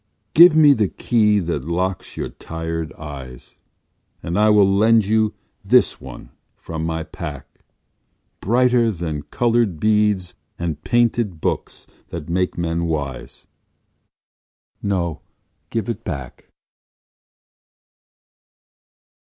Give me the key that locks your tired eyes, And I will lend you this one from my pack, Brighter than colored beads and painted books that make men wise: Take it. No, give it back!